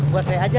buat saya aja